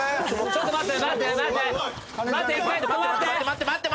ちょっと待って。